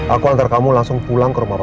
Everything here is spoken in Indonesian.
aku antar kamu langsung pulang ke rumah bapak